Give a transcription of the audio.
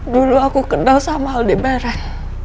dulu aku kenal sama halde barat